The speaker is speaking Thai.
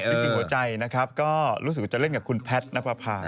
แล้วฤทธิ์สินหัวใจรู้สึกจะเล่นกับคุณพาทนักภาพ